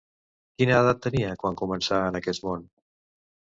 Quina edat tenia quan començà en aquest món?